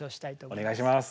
お願いします。